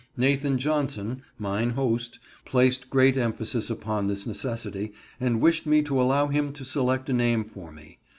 Nathan Johnson, mine host, placed great emphasis upon this necessity, and wished me to allow him to select a name for me.